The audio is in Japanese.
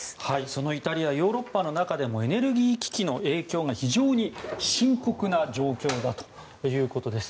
そのイタリアヨーロッパの中でもエネルギー危機の影響が非常に深刻な状況だということです。